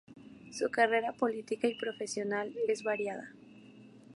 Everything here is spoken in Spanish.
Su carrera política y profesional es variada.